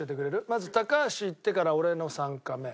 まず高橋いってから俺の３カメ。